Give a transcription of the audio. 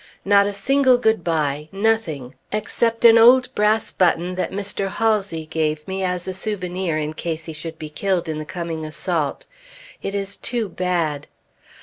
Not a single "good bye"! Nothing except an old brass button that Mr. Halsey gave me as a souvenir in case he should be killed in the coming assault. It is too bad.